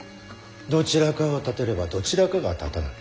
どちらかを立てればどちらかが立たぬ。